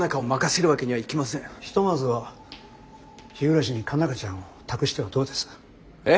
ひとまずは日暮に佳奈花ちゃんを託してはどうです？え？